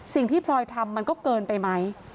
พลอยทำมันก็เกินไปไหม